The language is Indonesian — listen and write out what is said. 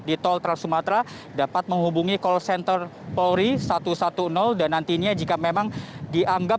di tol trans sumatera dapat menghubungi call center polri satu ratus sepuluh dan nantinya jika memang dianggap